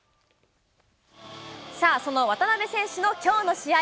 その渡辺選手のきょうの試合。